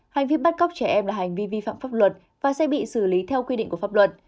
hành vi bắt cóc trẻ em là hành vi vi phạm pháp luật và sẽ bị xử lý theo quy định của pháp luật